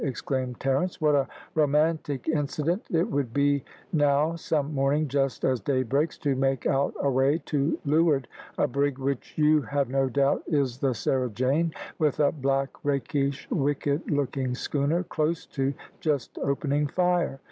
exclaimed Terence. "What a romantic incident it would be now some morning just as day breaks, to make out away to leeward a brig which you have no doubt is the Sarah Jane, with a black, rakish, wicked looking schooner close to, just opening fire.